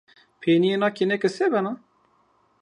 Peynîya na kêneke se bena?